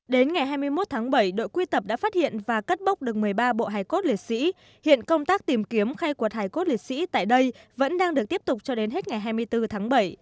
đến ngày hai mươi một tháng bảy đội quy tập đã phát hiện và cất bốc được một mươi ba bộ hài cốt liệt sĩ hiện công tác tìm kiếm khai quật hải cốt liệt sĩ tại đây vẫn đang được tiếp tục cho đến hết ngày hai mươi bốn tháng bảy